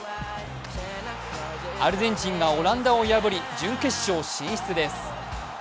アルゼンチンがオランダを破り、準決勝進出です。